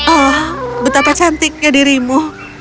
oh betapa cantiknya dirimu